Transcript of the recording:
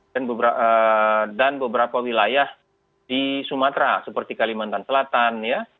dan beberapa wilayah di sumatera seperti kalimantan selatan ya